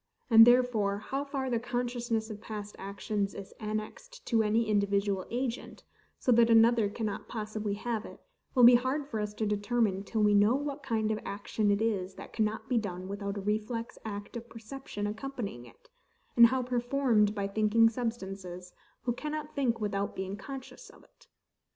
And therefore how far the consciousness of past actions is annexed to any individual agent, so that another cannot possibly have it, will be hard for us to determine, till we know what kind of action it is that cannot be done without a reflex act of perception accompanying it, and how performed by thinking substances, who cannot think without being conscious of it.